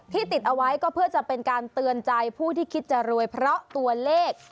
ติดเอาไว้ก็เพื่อจะเป็นการเตือนใจผู้ที่คิดจะรวยเพราะตัวเลข